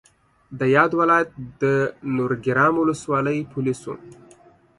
د یاد ولایت د نورګرام ولسوالۍ پولیسو